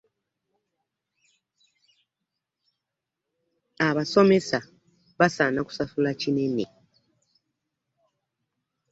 abasomesa basaana kusasula kinene.